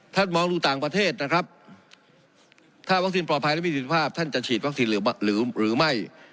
มองดูต่างประเทศนะครับถ้าวัคซีนปลอดภัยและมีสิทธิภาพท่านจะฉีดวัคซีนหรือไม่